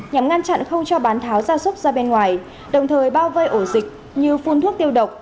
nhằm ngăn chặn không cho bán tháo ra súc ra bên ngoài đồng thời bao vây ổ dịch như phun thuốc tiêu độc